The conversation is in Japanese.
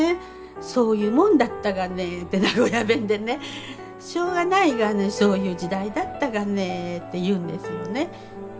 「そういうもんだったがね」って名古屋弁でね「しょうがないがねそういう時代だったがね」って言うんですよね。